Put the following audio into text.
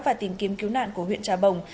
và tìm kiếm cứu nạn của huyện trà bồng